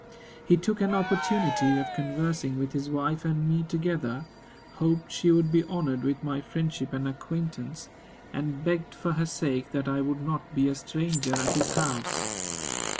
He took an opportunity of conversing with his wife and me together, hoped she would be honored with my friendship and acquaintance, and begged for her sake that I would not be a stranger at his house.